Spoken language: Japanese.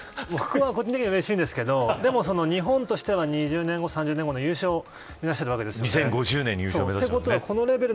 僕は個人的にはうれしいですけど日本としては、２０年後３０年後の優勝を目指しているわけですよね。